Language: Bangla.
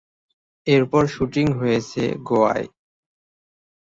এরপর শুটিং হয়েছে গোয়ায়।